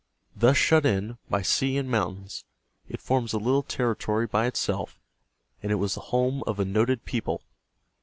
Thus shut in by sea and mountains, it forms a little territory by itself, and it was the home of a noted people.